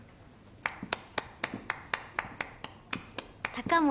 高森